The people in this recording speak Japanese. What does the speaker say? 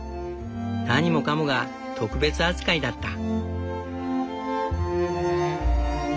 何もかもが特別扱いだった。